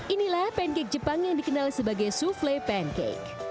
inilah pancake jepang yang dikenal sebagai souffle pancake